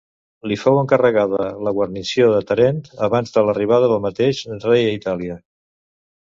Li fou encarregada la guarnició de Tàrent abans de l'arribada del mateix rei a Itàlia.